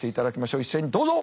一斉にどうぞ。